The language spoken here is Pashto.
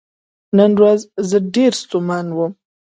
نن ورځ زه ډیر ستومان وم .